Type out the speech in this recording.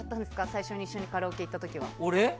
最初に一緒にカラオケ行った時は。